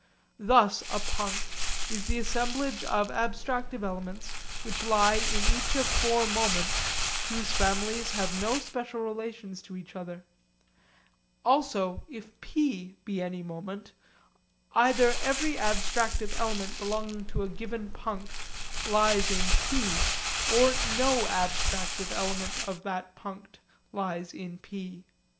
Thus a punct is the assemblage of abstractive elements which lie in each of four moments whose families have no special relations to each other. Also if P be any moment, either every abstractive element belonging to a given punct lies in P, or no abstractive element of that punct lies in P.